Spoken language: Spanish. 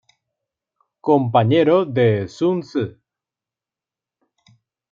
Compañero de Sun Ce.